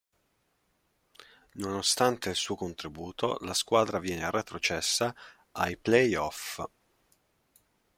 Nonostante il suo contributo, la squadra viene retrocessa ai playoff.